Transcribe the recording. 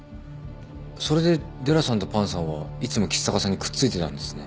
それでデラさんとパンさんはいつも橘高さんにくっついてたんですね。